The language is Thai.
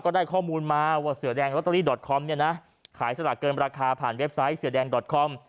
ได้ข้อมูลมาว่าเสือแดงลอตเตอรี่ดอตคอมเนี่ยนะขายสลากเกินราคาผ่านเว็บไซต์เสือแดงดอตคอม